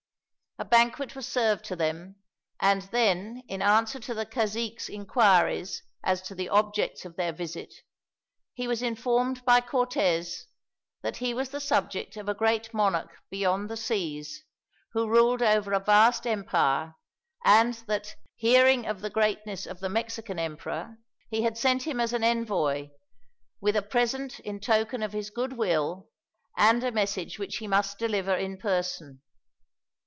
A banquet was served to them, and then, in answer to the cazique's inquiries as to the objects of their visit, he was informed by Cortez that he was the subject of a great monarch beyond the seas, who ruled over a vast empire; and that, hearing of the greatness of the Mexican Emperor, he had sent him as an envoy, with a present in token of his goodwill, and a message which he must deliver in person.